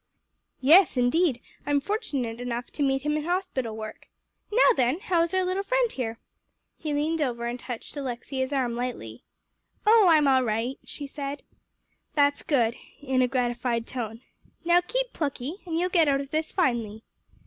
"Yes, indeed. I'm fortunate enough to meet him in hospital work. Now then, how is our little friend here?" He leaned over, and touched Alexia's arm lightly. "Oh, I'm all right," she said. "That's good," in a gratified tone. "Now keep plucky, and you'll get out of this finely."